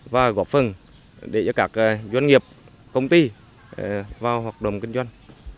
và góp phần để cho các doanh nghiệp công ty vào hoạt động kinh doanh